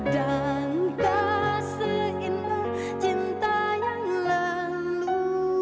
dan bahasa indah cinta yang lalu